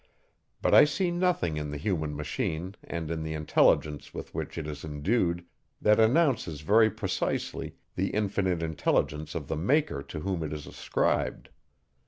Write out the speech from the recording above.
But I see nothing in the human machine, and in the intelligence with which it is endued, that announces very precisely the infinite intelligence of the maker to whom it is ascribed.